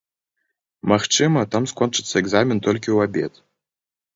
Магчыма, там скончыцца экзамен толькі ў абед.